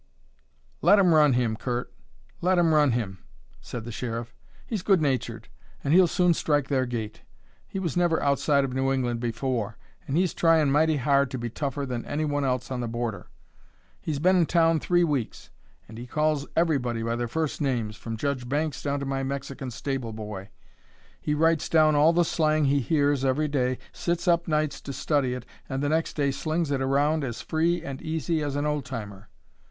"Let 'em run him, Curt, let 'em run him," said the Sheriff. "He's good natured, and he'll soon strike their gait. He was never outside of New England before, and he's tryin' mighty hard to be tougher than anybody else on the border. He's been in town three weeks, and he calls everybody by their first names, from Judge Banks down to my Mexican stable boy. He writes down all the slang he hears every day, sits up nights to study it, and the next day slings it around as free and easy as an old timer.